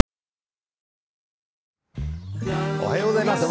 おはようございます。